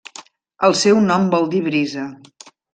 El seu nom vol dir Brisa.